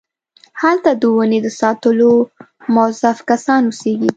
هلته د ونې د ساتلو موظف کسان اوسېږي.